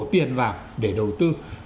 tiền vào để đầu tư